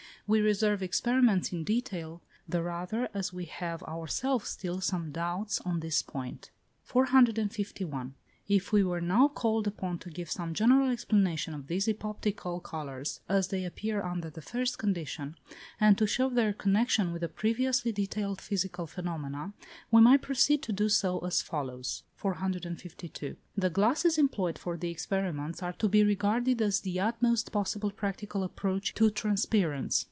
We reserve experiments in detail, the rather as we have ourselves still some doubts on this point. 451. If we were now called upon to give some general explanation of these epoptical colours, as they appear under the first condition, and to show their connexion with the previously detailed physical phenomena, we might proceed to do so as follows: 452. The glasses employed for the experiments are to be regarded as the utmost possible practical approach to transparence.